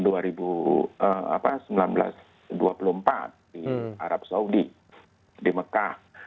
di arab saudi di mekah